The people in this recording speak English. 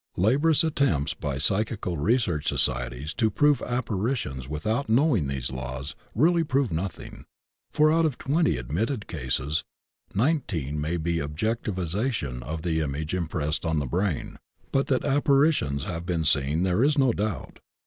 Laborious attempts by Psychical Research Societies to prove apparitions without knowing these laws really prove nothing, for out of twenty admitted cases nine teen may be the objectivization of the image impressed on the brain. But that apparitions have been seen there is no doubt.